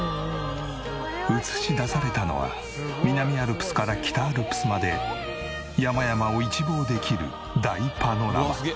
映し出されたのは南アルプスから北アルプスまで山々を一望できる大パノラマ。